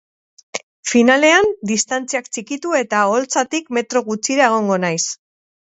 Finalean, distantziak txikitu eta oholtzatik metro gutxira egongo naiz.